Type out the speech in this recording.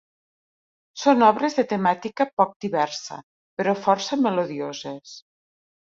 Són obres de temàtica poc diversa però força melodioses.